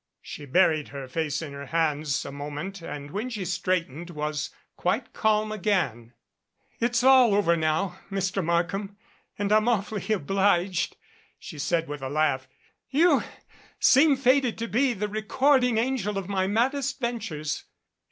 She buried her face in her hands a moment and when she straightened was quite calm again. "It's all over now, Mr. Markham, and I'm awfully obliged," she said with a laugh. "You seem fated to be the recording angel of my maddest ventures."